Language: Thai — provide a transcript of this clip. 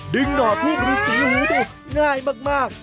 ดึงหน่อทูปหรือสีหูตัวง่ายมาก